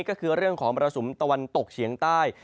ก็คือเรื่องของมรสุมตะวันตกเฉียงใต้